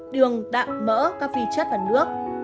đường đạm mỡ cao phi chất và nước